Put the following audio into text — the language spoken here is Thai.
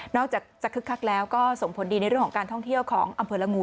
อกจากจะคึกคักแล้วก็ส่งผลดีในเรื่องของการท่องเที่ยวของอำเภอละงู